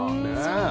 そう。